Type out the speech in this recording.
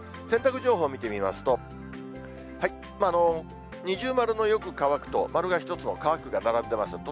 洗濯情報見てみますと、二重丸のよく乾くと丸が１つの乾くが並んでます。